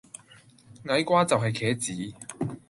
矮瓜就係茄子